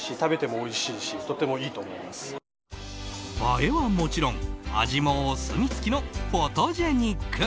映えはもちろん味もお墨付きのフォトジェ肉。